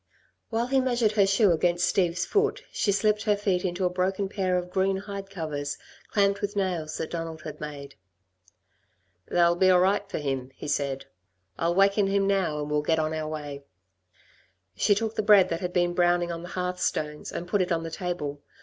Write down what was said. While he measured her shoe against Steve's foot, she slipped her feet into a broken pair of green hide covers clamped with nails that Donald had made. "They will be right for him," he said. "I'll waken him now and we'll get on our way." She took the bread that had been browning on the hearth stones and put it on the table.